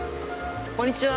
こんにちは。